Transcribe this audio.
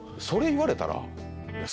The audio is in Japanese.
それ言われたら。